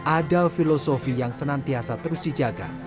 ada filosofi yang senantiasa terus dijaga